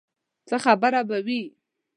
څه خبره به وي.